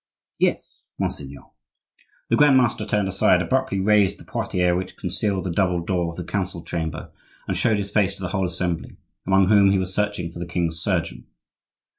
"Yes, monseigneur." The Grand master turned aside, abruptly raised the portiere which concealed the double door of the council chamber, and showed his face to the whole assembly, among whom he was searching for the king's surgeon.